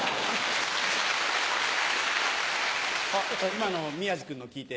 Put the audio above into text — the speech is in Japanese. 今の宮治君のを聞いて。